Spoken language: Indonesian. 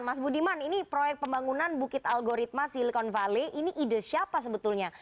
mas budiman ini proyek pembangunan bukit algoritma silicon vale ini ide siapa sebetulnya